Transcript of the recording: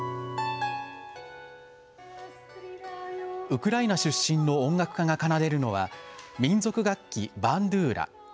ウクライナ出身の音楽家が奏でるのは民族楽器、バンドゥーラ。